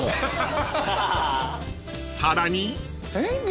［さらに］